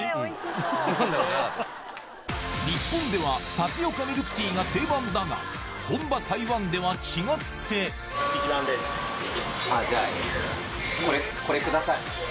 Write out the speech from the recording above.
日本ではタピオカミルクティーが定番だが本場台湾では違ってじゃあ。